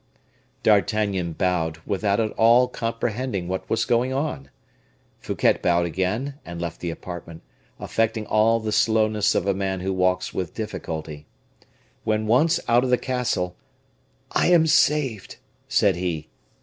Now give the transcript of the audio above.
D'Artagnan bowed, without at all comprehending what was going on. Fouquet bowed again and left the apartment, affecting all the slowness of a man who walks with difficulty. When once out of the castle, "I am saved!" said he.